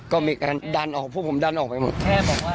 ก็มีการดันออกพวกผมดันออกไปหมดแค่บอกว่าอยากจะมีการส่งคุณมา